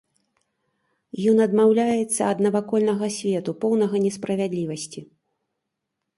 Ён адмаўляецца ад навакольнага свету, поўнага несправядлівасці.